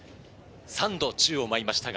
３度宙を舞いました。